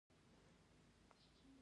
غنايي نظمونه د نظم یو ډول دﺉ.